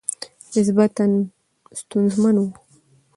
نسبتاً ستونزمن ؤ